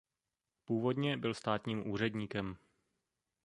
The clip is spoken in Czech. Původně byl státním úředníkem.